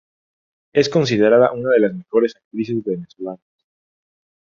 Es considerada una de las mejores actrices venezolanas.